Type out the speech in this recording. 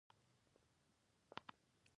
لمر د موسمي بدلونونو لپاره یوه مهمه سرچینه ده.